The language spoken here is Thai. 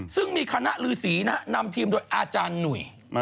ซึ่งมีคณะฤษีนำทีมโดยอาจารย์หนุ่ย